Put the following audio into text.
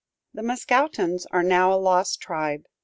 The Mascoutins are now a lost tribe.